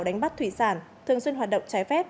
đánh bắt thủy sản thường xuyên hoạt động trái phép